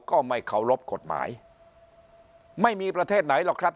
ก็ไม่เคารพกฎหมายไม่มีประเทศไหนหรอกครับ